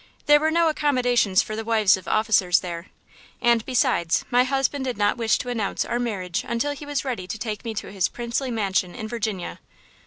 There were no accommodations for the wives of officers there. And, besides, my husband did not wish to announce our marriage until he was ready to take me to his princely mansion in Virginia."